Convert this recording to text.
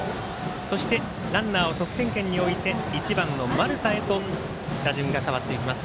そしてランナーを得点圏に置いて１番の丸田へと打順が変わっていきます。